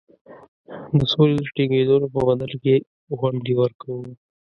د سولي د ټینګېدلو په بدل کې ونډې ورکوو.